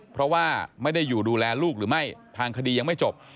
เพราะว่าไม่ได้อยู่ดูแลลูกหรือไม่ทางคดียังไม่จบ